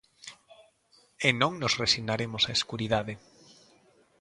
E non nos resignaremos á escuridade.